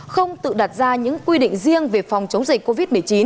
không tự đặt ra những quy định riêng về phòng chống dịch covid một mươi chín